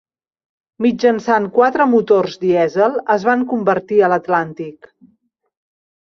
Mitjançant quatre motors dièsel es van convertir a l'Atlàntic.